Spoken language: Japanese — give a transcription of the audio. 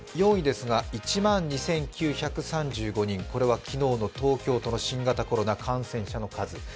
４位ですが１万２９３５人、これは昨日の東京都の新型コロナ感染者の数。